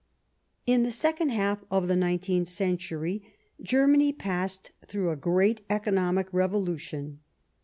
In the second half of the nineteenth century Germany passed through a great economic revolu tion.